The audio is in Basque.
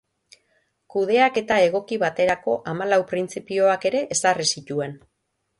Kudeaketa egoki baterako hamalau printzipioak ere ezarri zituen.